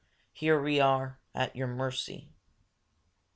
Here we are, at your mercy."